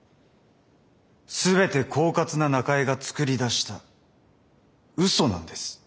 全てこうかつな中江が作り出したうそなんです。